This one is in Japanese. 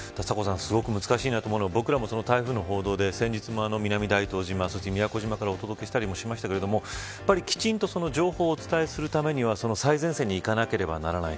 すごく難しいなと思うのは僕らも台風報道で南大東島、宮古島からお届けしましたがきちんとその情報をお伝えするためには最前線に行かなければならない。